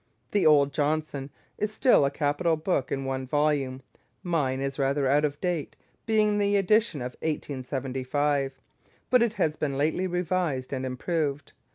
The old "Johnson" is still a capital book in one volume; mine is rather out of date, being the edition of 1875, but it has been lately revised and improved.